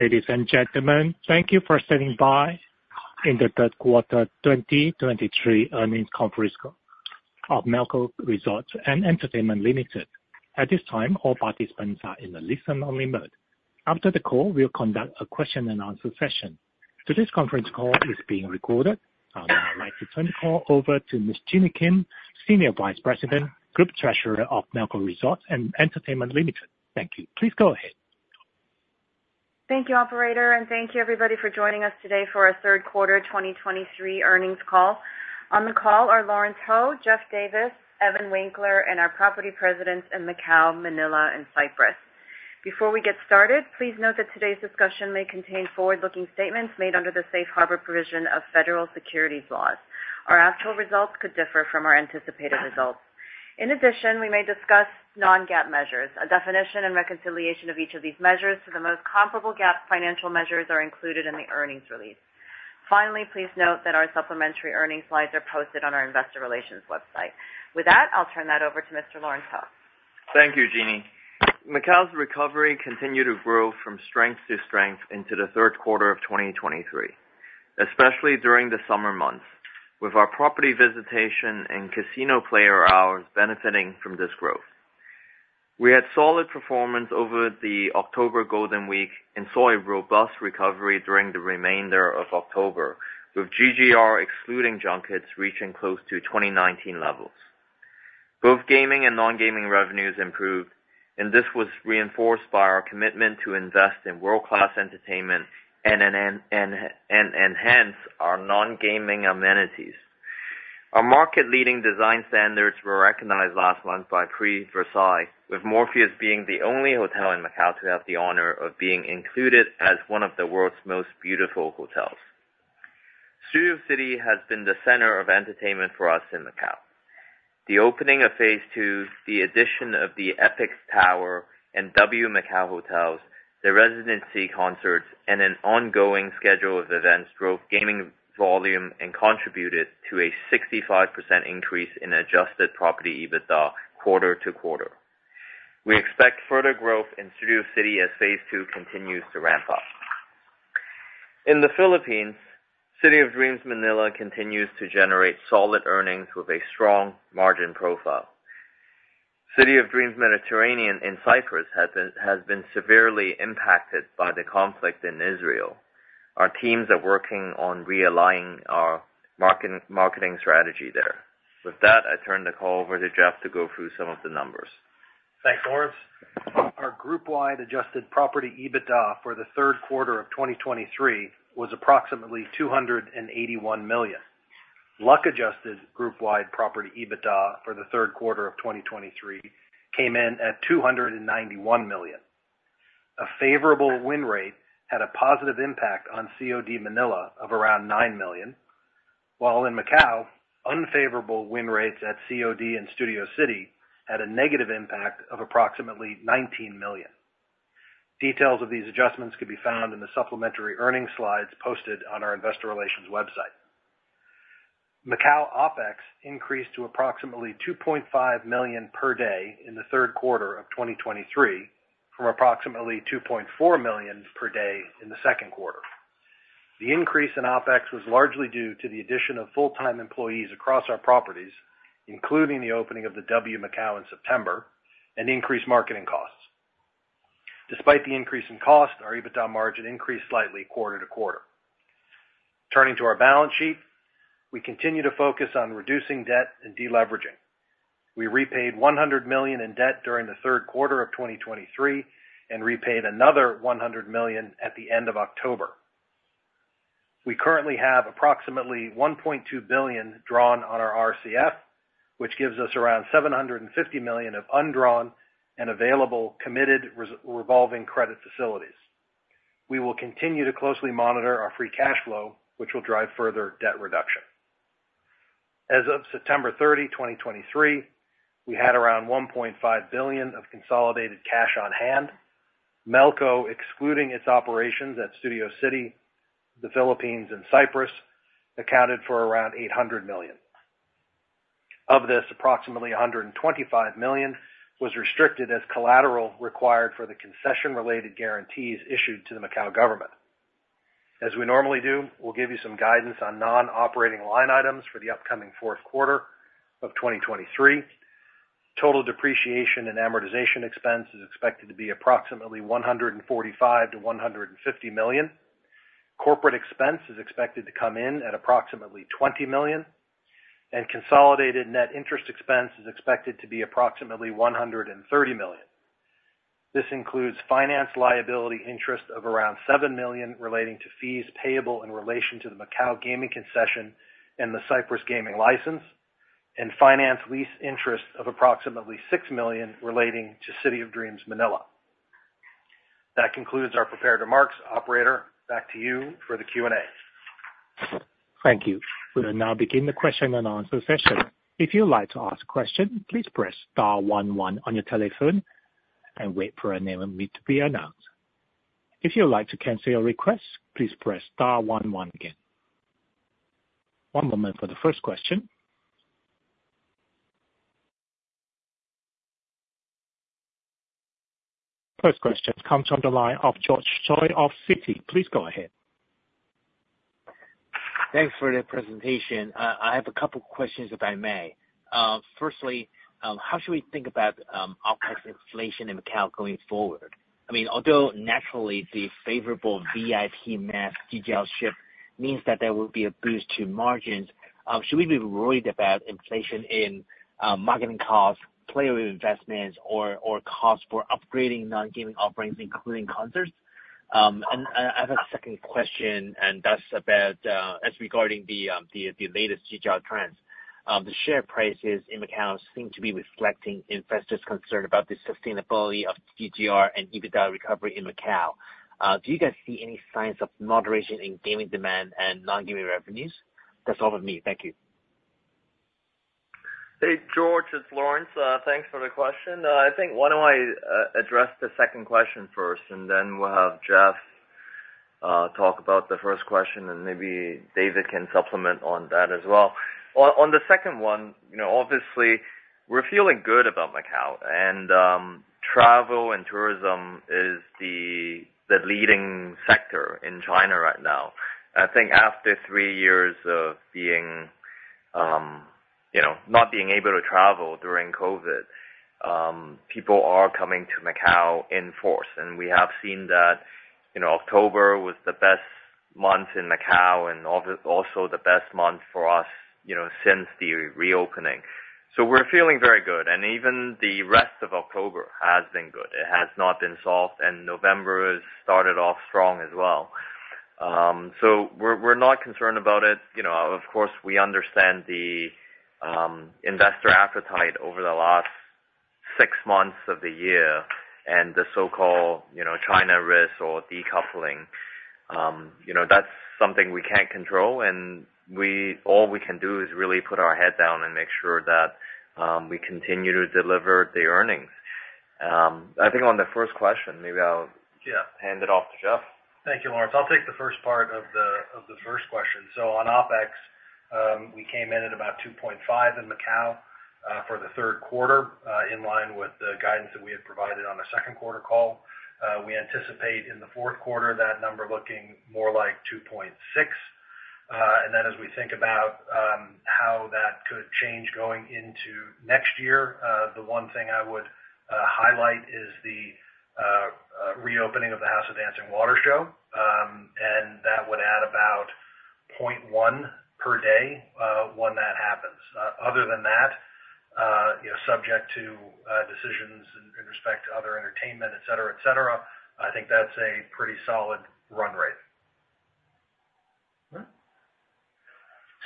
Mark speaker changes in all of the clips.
Speaker 1: Ladies and gentlemen, thank you for standing by in the third quarter 2023 earnings conference call of Melco Resorts & Entertainment Limited. At this time, all participants are in a listen-only mode. After the call, we'll conduct a question-and-answer session. Today's conference call is being recorded. I would now like to turn the call over to Ms. Jeanny Kim, Senior Vice President, Group Treasurer of Melco Resorts & Entertainment Limited. Thank you. Please go ahead.
Speaker 2: Thank you, operator, and thank you everybody for joining us today for our third quarter 2023 earnings call. On the call are Lawrence Ho, Geoff Davis, Evan Winkler, and our property presidents in Macau, Manila, and Cyprus. Before we get started, please note that today's discussion may contain forward-looking statements made under the safe harbor provision of federal securities laws. Our actual results could differ from our anticipated results. In addition, we may discuss non-GAAP measures. A definition and reconciliation of each of these measures to the most comparable GAAP financial measures are included in the earnings release. Finally, please note that our supplementary earnings slides are posted on our investor relations website. With that, I'll turn that over to Mr. Lawrence Ho.
Speaker 3: Thank you, Jeanny. Macau's recovery continued to grow from strength to strength into the third quarter of 2023, especially during the summer months, with our property visitation and casino player hours benefiting from this growth. We had solid performance over the October Golden Week and saw a robust recovery during the remainder of October, with GGR, excluding junkets, reaching close to 2019 levels. Both gaming and non-gaming revenues improved, and this was reinforced by our commitment to invest in world-class entertainment and enhance our non-gaming amenities. Our market-leading design standards were recognized last month by Prix Versailles, with Morpheus being the only hotel in Macau to have the honor of being included as one of the world's most beautiful hotels. Studio City has been the center of entertainment for us in Macau. The opening of phase two, the addition of the Epic Tower and W Macau hotels, the residency concerts, and an ongoing schedule of events drove gaming volume and contributed to a 65% increase in Adjusted Property EBITDA quarter-over-quarter. We expect further growth in Studio City as phase II continues to ramp up. In the Philippines, City of Dreams Manila continues to generate solid earnings with a strong margin profile. City of Dreams Mediterranean in Cyprus has been severely impacted by the conflict in Israel. Our teams are working on realigning our marketing strategy there. With that, I turn the call over to Geoff to go through some of the numbers.
Speaker 4: Thanks, Lawrence. Our group-wide adjusted property EBITDA for the third quarter of 2023 was approximately $281 million. Luck-adjusted group-wide property EBITDA for the third quarter of 2023 came in at $291 million. A favorable win rate had a positive impact on COD Manila of around $9 million, while in Macau, unfavorable win rates at COD and Studio City had a negative impact of approximately $19 million. Details of these adjustments can be found in the supplementary earnings slides posted on our investor relations website. Macau OPEX increased to approximately $2.5 million per day in the third quarter of 2023, from approximately $2.4 million per day in the second quarter. The increase in OPEX was largely due to the addition of full-time employees across our properties, including the opening of the W Macau in September, and increased marketing costs. Despite the increase in cost, our EBITDA margin increased slightly quarter-over-quarter. Turning to our balance sheet, we continue to focus on reducing debt and deleveraging. We repaid $100 million in debt during the third quarter of 2023 and repaid another $100 million at the end of October. We currently have approximately $1.2 billion drawn on our RCF, which gives us around $750 million of undrawn and available committed revolving credit facilities. We will continue to closely monitor our free cash flow, which will drive further debt reduction. As of September 30, 2023, we had around $1.5 billion of consolidated cash on hand. Melco, excluding its operations at Studio City, the Philippines and Cyprus, accounted for around $800 million. Of this, approximately $125 million was restricted as collateral required for the concession-related guarantees issued to the Macau government. As we normally do, we'll give you some guidance on non-operating line items for the upcoming fourth quarter of 2023. Total depreciation and amortization expense is expected to be approximately $145 million-$150 million. Corporate expense is expected to come in at approximately $20 million, and consolidated net interest expense is expected to be approximately $130 million. This includes finance liability interest of around $7 million, relating to fees payable in relation to the Macau gaming concession and the Cyprus gaming license, and finance lease interest of approximately $6 million relating to City of Dreams, Manila. That concludes our prepared remarks. Operator, back to you for the Q&A.
Speaker 1: Thank you. We'll now begin the question-and-answer session. If you'd like to ask a question, please press star one one on your telephone and wait for your name to be announced. If you'd like to cancel your request, please press star one one again. One moment for the first question. First question comes from the line of George Choi of Citi. Please go ahead.
Speaker 5: Thanks for the presentation. I have a couple questions, if I may. Firstly, how should we think about OpEx inflation in Macau going forward? I mean, although naturally the favorable VIP mass GGR shift means that there will be a boost to margins, should we be worried about inflation in marketing costs, player investments, or costs for upgrading non-gaming offerings, including concerts? And I have a second question, and that's about as regarding the latest GGR trends. The share prices in Macau seem to be reflecting investors' concern about the sustainability of GGR and EBITDA recovery in Macau. Do you guys see any signs of moderation in gaming demand and non-gaming revenues? That's all with me. Thank you.
Speaker 3: Hey, George, it's Lawrence. Thanks for the question. I think why don't I address the second question first, and then we'll have Geoff talk about the first question, and maybe David can supplement on that as well. On the second one, you know, obviously, we're feeling good about Macau, and travel and tourism is the leading sector in China right now. I think after three years of being, you know, not being able to travel during COVID, people are coming to Macau in force, and we have seen that, you know, October was the best month in Macau and also the best month for us, you know, since the reopening. So we're feeling very good, and even the rest of October has been good. It has not been soft, and November has started off strong as well. So we're not concerned about it. You know, of course, we understand the investor appetite over the last six months of the year and the so-called, you know, China risk or decoupling. You know, that's something we can't control, and all we can do is really put our head down and make sure that we continue to deliver the earnings. I think on the first question, maybe I'll.
Speaker 4: Yeah.
Speaker 3: Hand it off to Geoff.
Speaker 4: Thank you, Lawrence. I'll take the first part of the first question. So on OPEX, we came in at about $2.5 in Macau, for the third quarter, in line with the guidance that we had provided on the second quarter call. We anticipate in the fourth quarter, that number looking more like $2.6. And then as we think about how that could change going into next year, the one thing I would highlight is the reopening of the House of Dancing Water show, and that would add about $0.1 per day, when that happens. Other than that, you know, subject to decisions in respect to other entertainment, et cetera, et cetera, I think that's a pretty solid run rate.
Speaker 3: Mm-hmm.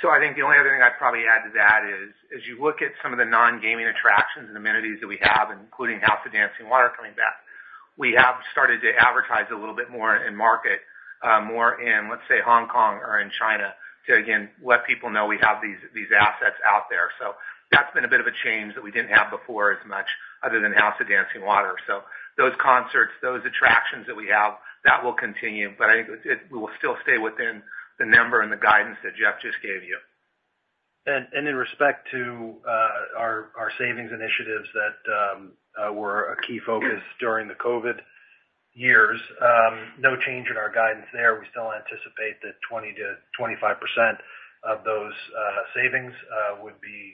Speaker 3: So I think the only other thing I'd probably add to that is, as you look at some of the non-gaming attractions and amenities that we have, including House of Dancing Water coming back, we have started to advertise a little bit more in market, more in, let's say, Hong Kong or in China, to again, let people know we have these, these assets out there. So that's been a bit of a change that we didn't have before as much, other than House of Dancing Water. So those concerts, those attractions that we have, that will continue, but I think it, it will still stay within the number and the guidance that Geoff just gave you. And, and in respect to, our, our savings initiatives that, were a key focus during the COVID years, no change in our guidance there.
Speaker 4: We still anticipate that 20%-25% of those savings would be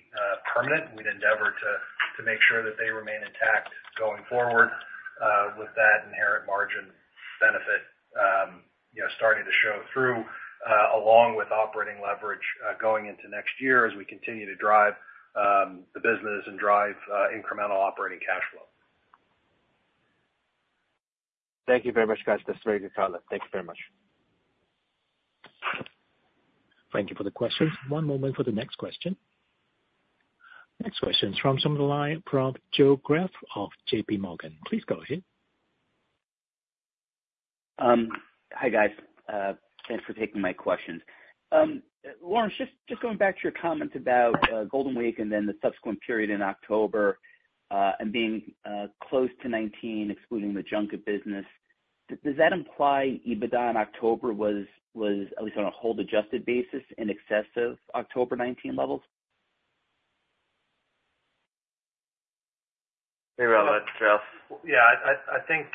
Speaker 4: permanent. We'd endeavor to make sure that they remain intact going forward with that inherent margin benefit, you know, starting to show through along with operating leverage going into next year as we continue to drive the business and drive incremental operating cash flow.
Speaker 5: Thank you very much, guys. That's very good color. Thank you very much.
Speaker 1: Thank you for the questions. One moment for the next question. Next question is from the line from Joe Greff of JPMorgan. Please go ahead.
Speaker 6: Hi, guys. Thanks for taking my questions. Lawrence, just, just going back to your comment about Golden Week and then the subsequent period in October, and being close to 2019, excluding the junket business. Does that imply EBITDA in October was, was at least on a hold-adjusted basis in excess of October 2019 levels?
Speaker 3: Very relevant, Joe.
Speaker 4: Yeah, I think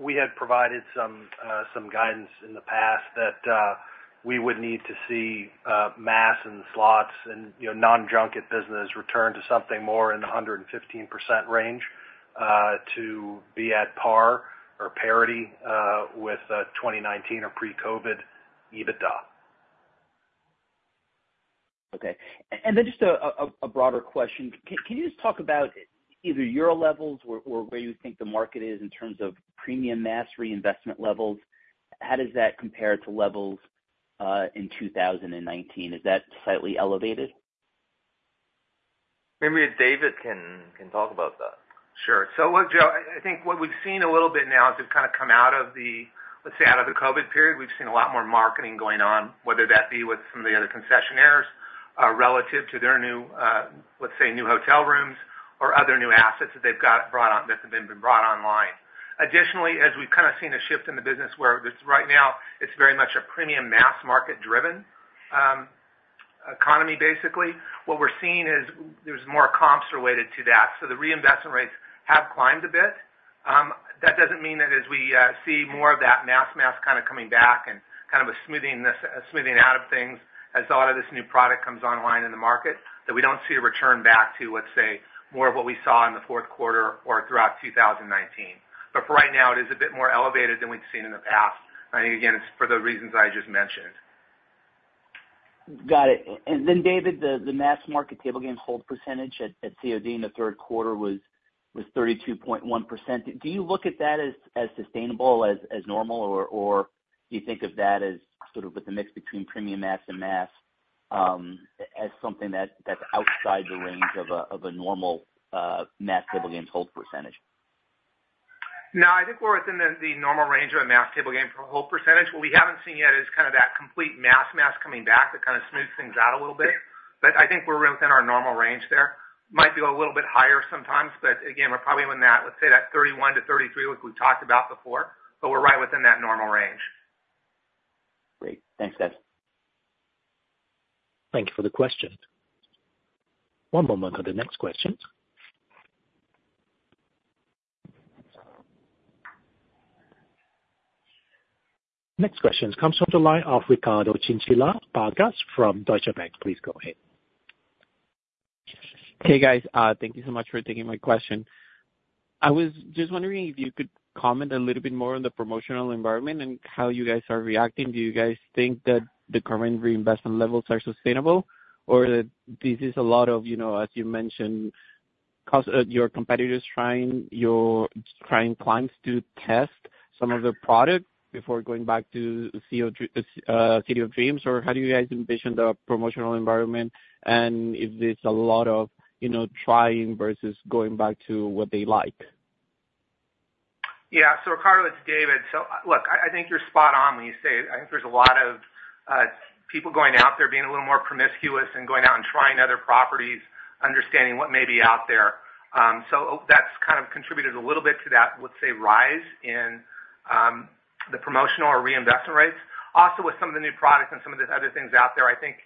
Speaker 4: we had provided some guidance in the past that we would need to see mass and slots and, you know, non-junket business return to something more in the 115% range to be at par or parity with 2019 or pre-COVID EBITDA.
Speaker 6: Okay. And then just a broader question, can you just talk about either your levels or where you think the market is in terms of premium mass reinvestment levels? How does that compare to levels in 2019? Is that slightly elevated?
Speaker 3: Maybe David can talk about that.
Speaker 4: Sure. So look, Joe, I think what we've seen a little bit now as we've kind of come out of the, let's say, out of the COVID period, we've seen a lot more marketing going on, whether that be with some of the other concessionaires relative to their new, let's say, new hotel rooms or other new assets that they've got brought on, that have been brought online. Additionally, as we've kind of seen a shift in the business where it's right now, it's very much a premium mass market driven,...
Speaker 7: economy basically. What we're seeing is there's more comps related to that, so the reinvestment rates have climbed a bit. That doesn't mean that as we see more of that mass, mass kind of coming back and kind of a smoothing this, a smoothing out of things as a lot of this new product comes online in the market, that we don't see a return back to, let's say, more of what we saw in the fourth quarter or throughout 2019. But for right now, it is a bit more elevated than we've seen in the past. I think, again, it's for the reasons I just mentioned.
Speaker 3: Got it. And then, David, the mass market table game hold percentage at COD in the third quarter was 32.1%. Do you look at that as sustainable as normal, or do you think of that as sort of with the mix between premium mass and mass, as something that's outside the range of a normal mass table games hold percentage?
Speaker 7: No, I think we're within the normal range of a mass table game for hold percentage. What we haven't seen yet is kind of that complete mass, mass coming back, that kind of smooth things out a little bit. But I think we're within our normal range there. Might be a little bit higher sometimes, but again, we're probably within that, let's say that 31%-33%, which we've talked about before, but we're right within that normal range.
Speaker 3: Great. Thanks, guys.
Speaker 1: Thank you for the question. One moment for the next question. Next question comes from the line of Ricardo Chinchilla from Deutsche Bank. Please go ahead.
Speaker 8: Hey, guys. Thank you so much for taking my question. I was just wondering if you could comment a little bit more on the promotional environment and how you guys are reacting. Do you guys think that the current reinvestment levels are sustainable, or that this is a lot of, you know, as you mentioned, cost, your competitors trying, your trying clients to test some of the product before going back to CO, City of Dreams, or how do you guys envision the promotional environment, and if there's a lot of, you know, trying versus going back to what they like?
Speaker 7: Yeah. So Ricardo, it's David. So look, I, I think you're spot on when you say, I think there's a lot of people going out there, being a little more promiscuous and going out and trying other properties, understanding what may be out there. So that's kind of contributed a little bit to that, let's say, rise in the promotional or reinvestment rates. Also, with some of the new products and some of the other things out there, I think,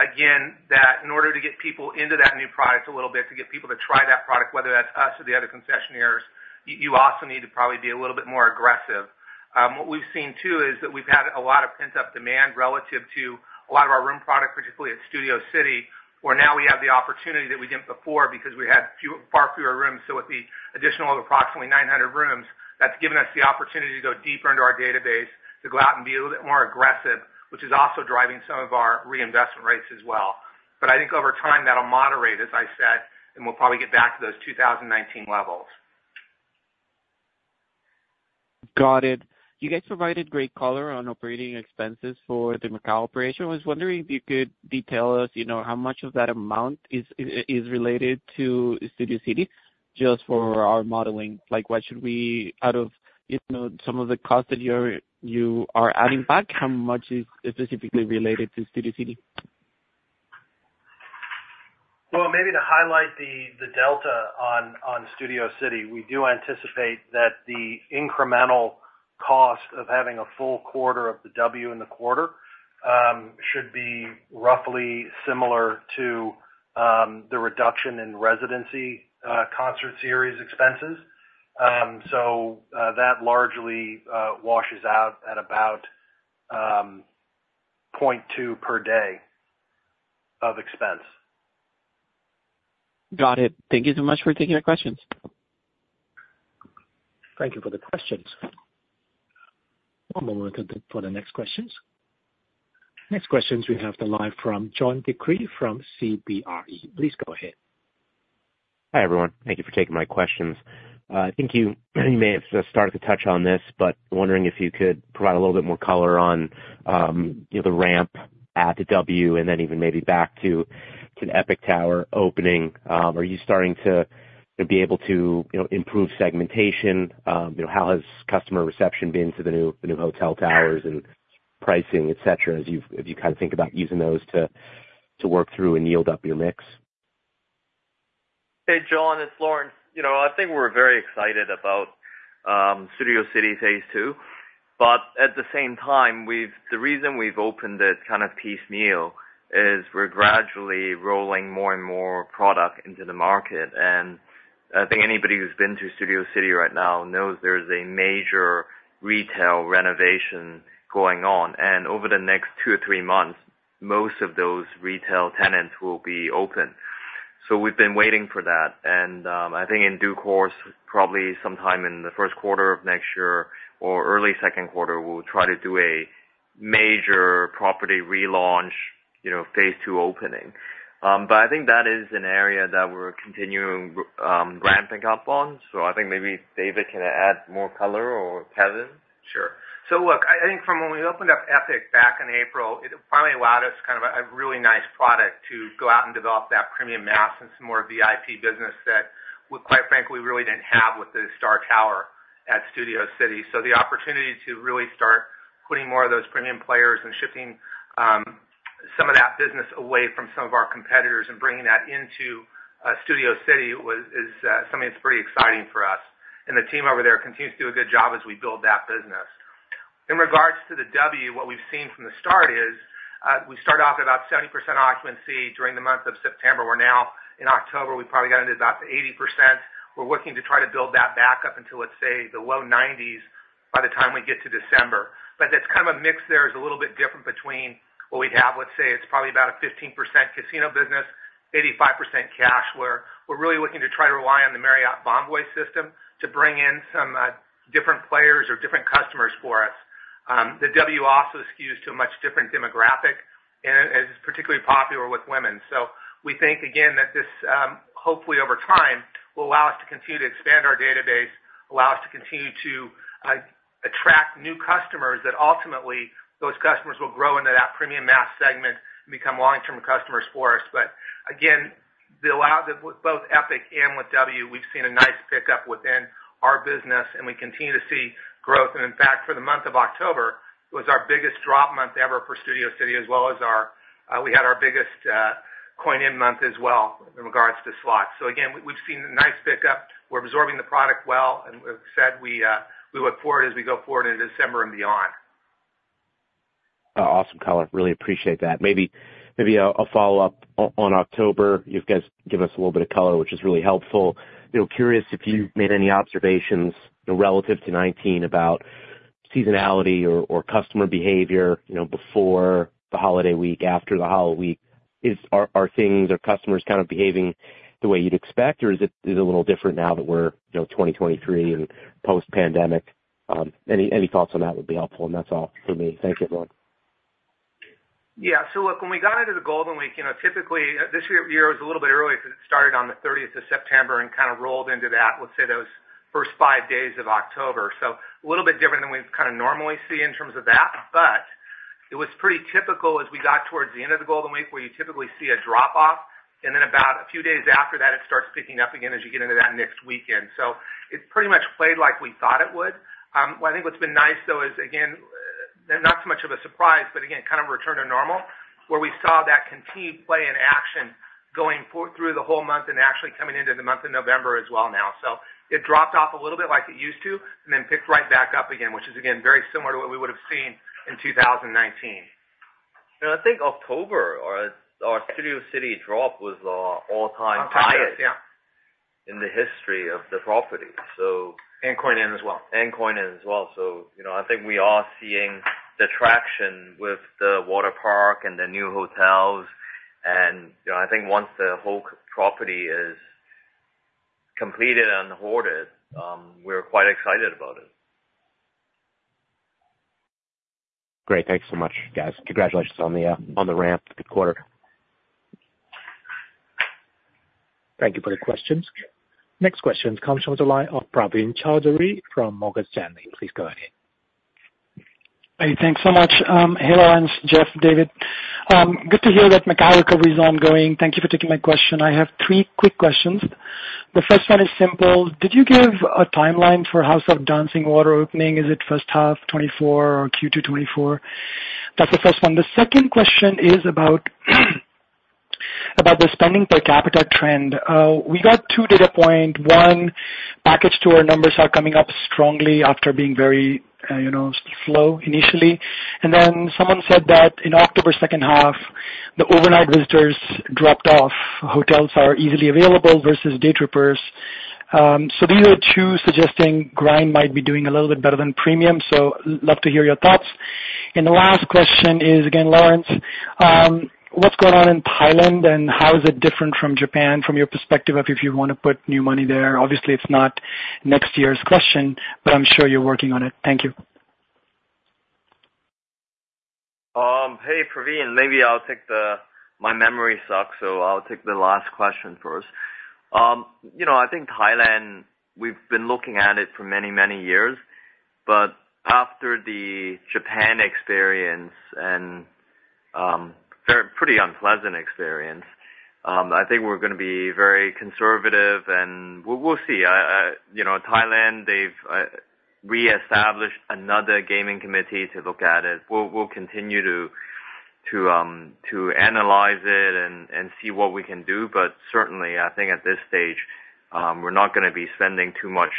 Speaker 7: again, that in order to get people into that new product a little bit, to get people to try that product, whether that's us or the other concessionaires, you also need to probably be a little bit more aggressive. What we've seen, too, is that we've had a lot of pent-up demand relative to a lot of our room product, particularly at Studio City, where now we have the opportunity that we didn't before because we had far fewer rooms. So with the additional approximately 900 rooms, that's given us the opportunity to go deeper into our database, to go out and be a little bit more aggressive, which is also driving some of our reinvestment rates as well. But I think over time, that'll moderate, as I said, and we'll probably get back to those 2019 levels.
Speaker 8: Got it. You guys provided great color on operating expenses for the Macau operation. I was wondering if you could detail us, you know, how much of that amount is related to Studio City, just for our modeling. Like, what should we out of, you know, some of the costs that you're, you are adding back, how much is specifically related to Studio City?
Speaker 7: Well, maybe to highlight the delta on Studio City, we do anticipate that the incremental cost of having a full quarter of the W in the quarter should be roughly similar to the reduction in residency concert series expenses. So, that largely washes out at about $0.2 per day of expense.
Speaker 8: Got it. Thank you so much for taking the questions.
Speaker 1: Thank you for the questions. One moment for the next questions. Next questions we have the line from John DeCree from CBRE. Please go ahead.
Speaker 9: Hi, everyone. Thank you for taking my questions. I think you, you may have started to touch on this, but wondering if you could provide a little bit more color on, you know, the ramp at the W and then even maybe back to, to the Epic Tower opening. Are you starting to be able to, you know, improve segmentation? You know, how has customer reception been to the new, the new hotel towers and pricing, et cetera, as you've, as you kind of think about using those to, to work through and yield up your mix?
Speaker 3: Hey, John, it's Lawrence. You know, I think we're very excited about Studio City phase two, but at the same time, we've, the reason we've opened it kind of piecemeal is we're gradually rolling more and more product into the market. And I think anybody who's been to Studio City right now knows there's a major retail renovation going on, and over the next two or three months, most of those retail tenants will be open. So we've been waiting for that, and I think in due course, probably sometime in the first quarter of next year or early second quarter, we'll try to do a major property relaunch, you know, phase two opening. But I think that is an area that we're continuing ramping up on. So I think maybe David can add more color or Kevin?
Speaker 7: Sure. So look, I think from when we opened up Epic back in April, it finally allowed us kind of a really nice product to go out and develop that premium mass and some more VIP business that we quite frankly, really didn't have with the Star Tower at Studio City. So the opportunity to really start putting more of those premium players and shifting some of that business away from some of our competitors and bringing that into Studio City was, is, something that's pretty exciting for us. And the team over there continues to do a good job as we build that business. In regards to the W, what we've seen from the start is, we started off at about 70% occupancy during the month of September. We're now in October, we probably got into about 80%. We're looking to try to build that back up into, let's say, the low 90s by the time we get to December. But that's kind of a mix. There is a little bit different between what we have, let's say, it's probably about a 15% casino business, 85% cash where we're really looking to try to rely on the Marriott Bonvoy system to bring in some different players or different customers for us. The W also skews to a much different demographic and it's particularly popular with women. So we think, again, that this, hopefully over time, will allow us to continue to expand our database, allow us to continue to attract new customers, that ultimately, those customers will grow into that premium mass segment and become long-term customers for us. But again, both Epic and with W, we've seen a nice pickup within our business, and we continue to see growth. And in fact, for the month of October, it was our biggest drop month ever for Studio City, as well as our, we had our biggest, coin-in month as well in regards to slots. So again, we've seen a nice pickup. We're absorbing the product well, and as I said, we, we look forward as we go forward into December and beyond.
Speaker 9: Awesome, Colin, really appreciate that. Maybe a follow-up on October. You guys have given us a little bit of color, which is really helpful. You know, curious if you've made any observations, you know, relative to 2019 about seasonality or customer behavior, you know, before the holiday week, after the holiday week. Are things or customers kind of behaving the way you'd expect, or is it a little different now that we're, you know, 2023 and post-pandemic? Any thoughts on that would be helpful, and that's all for me. Thank you, everyone.
Speaker 7: Yeah. So look, when we got into the Golden Week, you know, typically, this year, year was a little bit early because it started on the 30th of September and kind of rolled into that, let's say, those first 5 days of October. So a little bit different than we've kind of normally see in terms of that. But it was pretty typical as we got towards the end of the Golden Week, where you typically see a drop-off, and then about a few days after that, it starts picking up again as you get into that next weekend. So it's pretty much played like we thought it would. Well, I think what's been nice, though, is, again, not so much of a surprise, but again, kind of return to normal, where we saw that continued play in action going forward through the whole month and actually coming into the month of November as well now. So it dropped off a little bit like it used to, and then picked right back up again, which is, again, very similar to what we would have seen in 2019.
Speaker 3: I think October, our Studio City drop was all-time highest.
Speaker 7: All time, yeah.
Speaker 3: In the history of the property so.
Speaker 7: Coin-in as well.
Speaker 3: Coin-in as well. You know, I think we are seeing the traction with the water park and the new hotels. You know, I think once the whole property is completed and hoarded, we're quite excited about it.
Speaker 9: Great. Thanks so much, guys. Congratulations on the ramp. Good quarter.
Speaker 1: Thank you for the questions. Next question comes from the line of Praveen Choudhary from Morgan Stanley. Please go ahead.
Speaker 10: Hey, thanks so much. Hey, Lawrence, Geoff, David. Good to hear that Macau recovery is ongoing. Thank you for taking my question. I have three quick questions. The first one is simple: Did you give a timeline for House of Dancing Water opening? Is it H1 2024 or Q2 2024? That's the first one. The second question is about the spending per capita trend. We got two data point, one, package tour numbers are coming up strongly after being very, you know, slow initially. And then someone said that in October H2, the overnight visitors dropped off. Hotels are easily available versus day trippers. So these are two suggesting grind might be doing a little bit better than premium, so love to hear your thoughts. The last question is, again, Lawrence, what's going on in Thailand and how is it different from Japan from your perspective of if you want to put new money there? Obviously, it's not next year's question, but I'm sure you're working on it. Thank you.
Speaker 3: Hey, Praveen, maybe I'll take the, my memory sucks, so I'll take the last question first. You know, I think Thailand, we've been looking at it for many, many years, but after the Japan experience and very pretty unpleasant experience, I think we're gonna be very conservative, and we'll see. You know, Thailand, they've reestablished another gaming committee to look at it. We'll continue to analyze it and see what we can do, but certainly, I think at this stage, we're not gonna be spending too much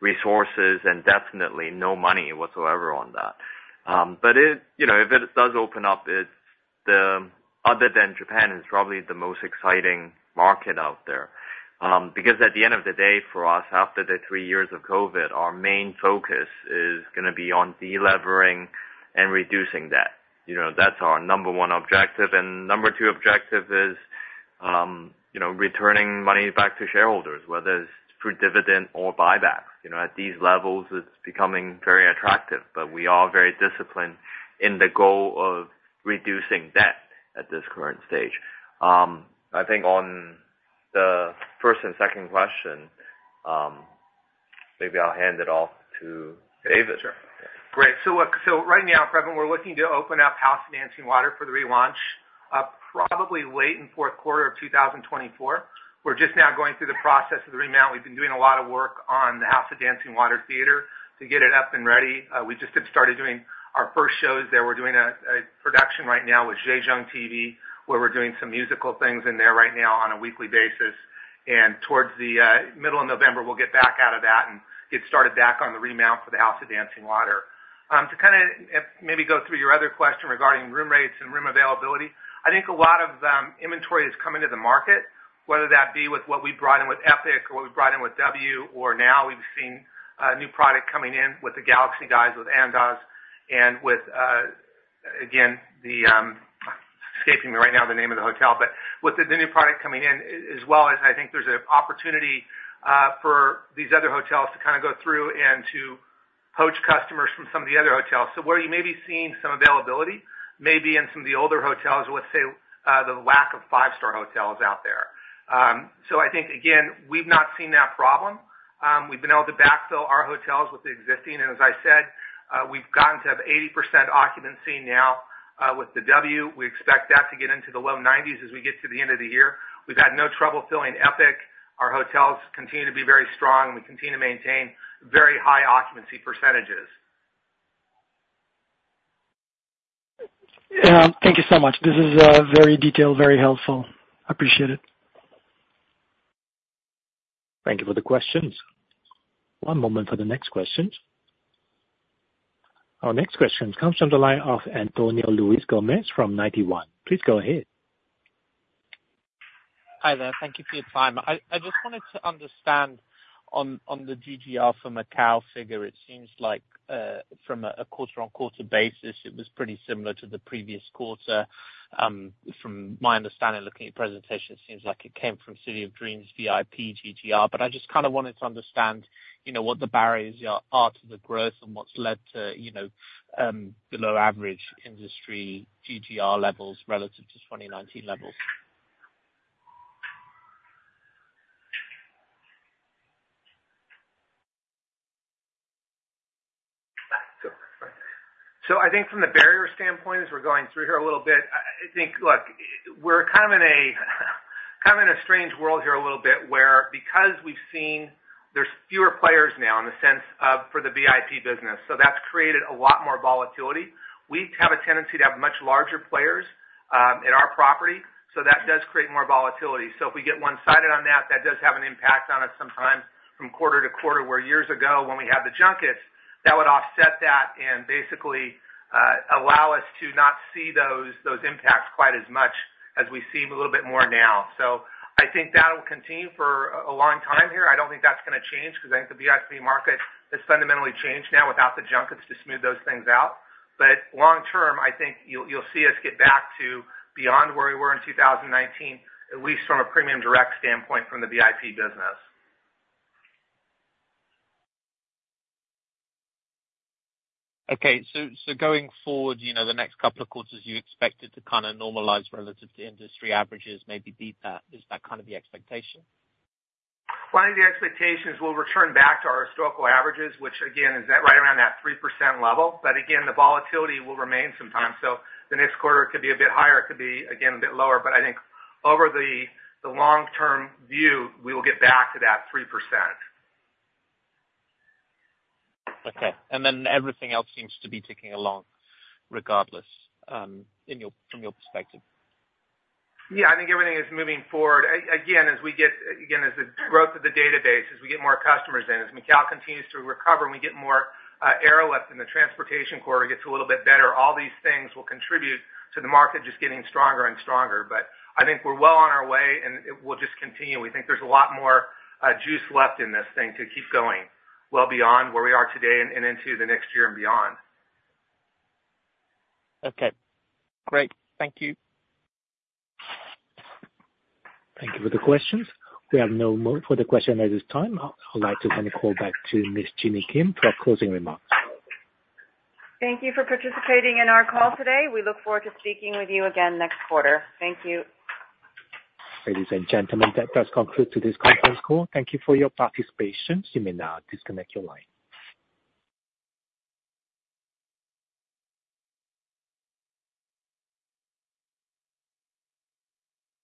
Speaker 3: resources and definitely no money whatsoever on that. But you know, if it does open up, it's the, other than Japan, is probably the most exciting market out there. Because at the end of the day, for us, after the three years of COVID, our main focus is gonna be on delivering and reducing debt. You know, that's our number 1 objective, and number 2 objective is, you know, returning money back to shareholders, whether it's through dividend or buyback. You know, at these levels, it's becoming very attractive, but we are very disciplined in the goal of reducing debt at this current stage. I think on the first and second question, maybe I'll hand it off to David.
Speaker 7: Sure. Great. So look, so right now, Praveen, we're looking to open up House of Dancing Water for the relaunch, probably late in fourth quarter of 2024. We're just now going through the process of the remount. We've been doing a lot of work on the House of Dancing Water Theater to get it up and ready. We just have started doing our first shows there. We're doing a production right now with Zhejiang TV, where we're doing some musical things in there right now on a weekly basis, and towards the middle of November, we'll get back out of that and get started back on the remount for the House of Dancing Water. To kind of, maybe go through your other question regarding room rates and room availability. I think a lot of inventory is coming to the market, whether that be with what we brought in with Epic or what we brought in with W or now we've seen new product coming in with the Galaxy guys, with Andaz, and with, again, the escaping me right now, the name of the hotel, but with the new product coming in as well as I think there's an opportunity for these other hotels to kind of go through and to poach customers from some of the other hotels. So where you may be seeing some availability may be in some of the older hotels, with say the lack of five star hotels out there. So I think, again, we've not seen that problem. We've been able to backfill our hotels with the existing, and as I said, we've gotten to have 80% occupancy now, with the W. We expect that to get into the low 90s% as we get to the end of the year. We've had no trouble filling Epic. Our hotels continue to be very strong. We continue to maintain very high occupancy percentages.
Speaker 10: Thank you so much. This is very detailed, very helpful. I appreciate it.
Speaker 1: Thank you for the questions. One moment for the next question. Our next question comes from the line of Antonio Luis Gomez from Ninety One. Please go ahead.
Speaker 11: Hi there. Thank you for your time. I just wanted to understand on, on the GGR from Macau figure. It seems like, from a quarter-on-quarter basis, it was pretty similar to the previous quarter. From my understanding, looking at presentation, it seems like it came from City of Dreams, VIP, GGR. But I just kind of wanted to understand, you know, what the barriers are to the growth and what's led to, you know, below average industry GGR levels relative to 2019 levels.
Speaker 7: So I think from the barrier standpoint, as we're going through here a little bit, I think, look, we're kind of in a strange world here a little bit, where because we've seen there's fewer players now in the sense of, for the VIP business, so that's created a lot more volatility. We have a tendency to have much larger players in our property, so that does create more volatility. So if we get one-sided on that, that does have an impact on us sometimes from quarter to quarter, where years ago, when we had the junkets, that would offset that and basically allow us to not see those impacts quite as much as we see a little bit more now. So I think that will continue for a long time here. I don't think that's gonna change because I think the VIP market has fundamentally changed now without the junkets to smooth those things out. But long term, I think you'll, you'll see us get back to beyond where we were in 2019, at least from a premium direct standpoint, from the VIP business.
Speaker 11: Okay, so, so going forward, you know, the next couple of quarters, you expect it to kind of normalize relative to industry averages, maybe beat that. Is that kind of the expectation?
Speaker 7: Well, I think the expectations will return back to our historical averages, which again, is that right around that 3% level. But again, the volatility will remain sometimes. So the next quarter could be a bit higher, it could be, again, a bit lower, but I think over the long term view, we will get back to that 3%.
Speaker 11: Okay. Then everything else seems to be ticking along, regardless, from your perspective?
Speaker 7: Yeah, I think everything is moving forward. Again, as we get, again, as the growth of the database, as we get more customers in, as Macau continues to recover and we get more airlifts and the transportation corridor gets a little bit better, all these things will contribute to the market just getting stronger and stronger. But I think we're well on our way, and it will just continue. We think there's a lot more juice left in this thing to keep going well beyond where we are today and into the next year and beyond.
Speaker 11: Okay, great. Thank you.
Speaker 1: Thank you for the questions. We have no more further questions at this time. I'd like to turn the call back to Ms. Jeanny Kim for closing remarks.
Speaker 2: Thank you for participating in our call today. We look forward to speaking with you again next quarter. Thank you.
Speaker 1: Ladies and gentlemen, that does conclude today's conference call. Thank you for your participation. You may now disconnect your line.